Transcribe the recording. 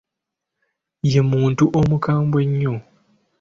Ye muntu omukambwe ennyo.